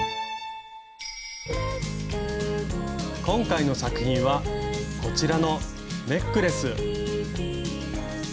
今回の作品はこちらのネックレス。